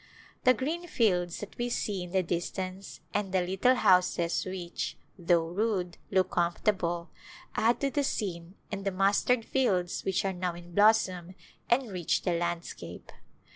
The green fields that we see in the distance and the little houses which, though rude, look comfortable, add to the scene and the mustard fields which are now in blossom enrich the landscape.